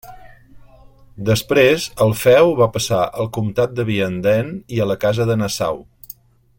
Després el feu va passar al comtat de Vianden i a la casa de Nassau.